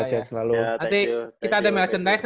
nanti kita ada merchandise